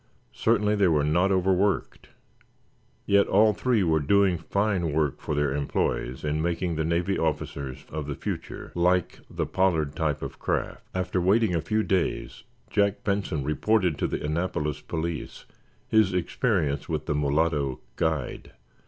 Certainly they were not overworked. Yet all three were doing fine work for their employers in making the Navy officers of the future like the Pollard type of craft. After waiting a few days Jack Benson reported to the Annapolis police his experience with the mulatto "guide."